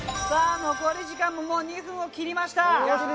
残り時間ももう２分を切りました。